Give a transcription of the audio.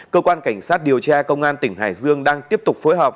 cơ quan cảnh sát điều tra công an tỉnh hải dương đang tiếp tục phối hợp